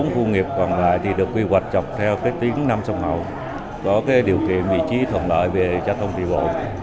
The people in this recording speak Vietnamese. bốn khu nghiệp còn lại thì được quy hoạch chọc theo cái tiếng năm sông hậu có cái điều kiện vị trí thuận lợi về trang thông tỷ bộ